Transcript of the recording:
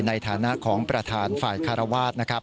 ในฐานะของประธานฝ่ายคารวาส